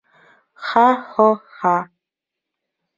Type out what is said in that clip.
Ха-һо-ха!